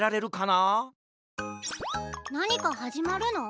なにかはじまるの？